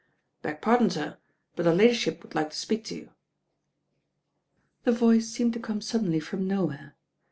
96 THE RAIN GIRL "Beg pardon, sir; but 'cr Ladyship would like to speak to you." The voice seemed to come suddenly from no where.